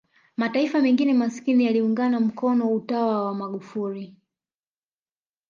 mataifa mengine masikini yaliungana mkono utawa wa magufri